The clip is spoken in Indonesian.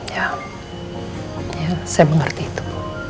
ya saya mengerti itu